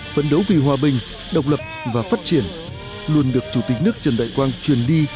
phấn đấu vì hòa bình độc lập và phát triển luôn được chủ tịch nước trần đại quang truyền đi